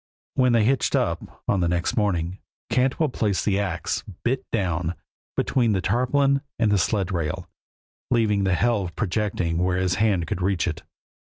When they hitched up, on the next morning, Cantwell placed the ax, bit down, between the tarpaulin and the sled rail, leaving the helve projecting where his hand could reach it.